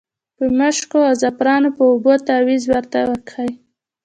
په مشکو او زعفرانو په اوبو تاویز ورته وکیښ.